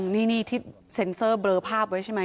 นี่ที่เซ็นเซอร์เบลอภาพไว้ใช่ไหม